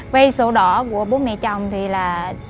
vây sổ đỏ của bố mẹ chồng thì là